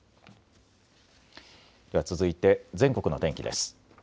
では続いて全国の天気です。